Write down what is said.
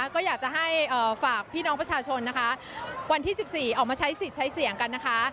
ก็อยากจะให้ฝากพี่น้องประชาชนนะคะวันที่๑๔ออกมาใช้สิทธิ์ใช้เสียงกันนะคะ